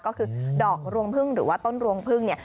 ก็คือดอกรวงพึ่งหรือว่าต้นรวงพึ่งเนี่ย